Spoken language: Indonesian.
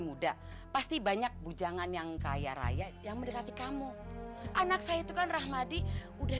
muda pasti banyak bujangan yang kaya raya yang mendekati kamu anak saya itu kan rahmadi udah